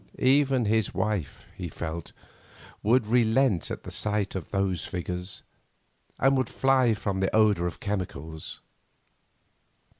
Even his wife, he felt, would relent at the sight of those figures, and would fly from the odour of chemicals.